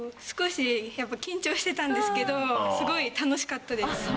少しやっぱ緊張してたんですけどスゴい楽しかったです。